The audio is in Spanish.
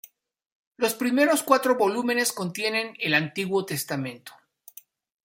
Los primeros cuatro volúmenes contienen el "Antiguo Testamento".